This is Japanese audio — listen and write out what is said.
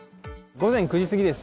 午前９時過ぎです。